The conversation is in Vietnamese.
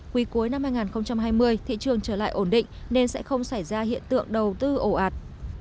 quý cuối năm hai nghìn hai mươi thị trường trở lại ổn định nên sẽ không xảy ra hiện tượng đầu tư ổ ạt